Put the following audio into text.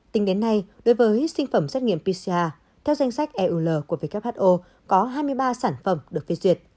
tính đến nay đối với sinh phẩm xét nghiệm pcr theo danh sách eul của who có hai mươi ba sản phẩm được phê duyệt